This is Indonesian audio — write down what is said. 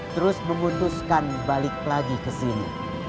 terus memutuskan balik lagi kesini